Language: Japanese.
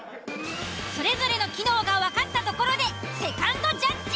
それぞれの機能がわかったところでセカンドジャッジ。